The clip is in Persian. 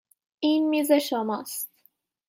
این میز شماست.